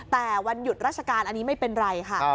แต่วันหยุดราชการอันนี้ไม่เป็นไรค่ะ